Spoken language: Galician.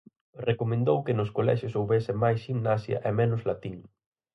Recomendou que nos colexios houbese máis ximnasia e menos latín.